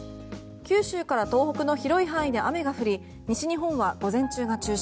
九州から東北の広い範囲で雨が降り西日本は午前中が中心